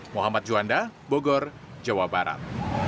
muhammad juanda bogor jawa barat